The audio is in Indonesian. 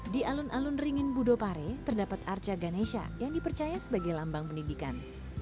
di alun alun ringin budopare terdapat arca ganesha yang dipercaya sebagai lambang pendidikan